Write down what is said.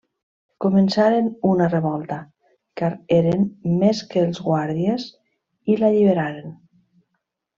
Començaren una revolta, car eren més que els guàrdies, i l'alliberaren.